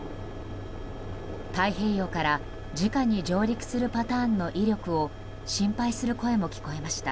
太平洋からじかに上陸するパターンの威力を心配する声も聞こえました。